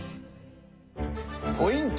ポイント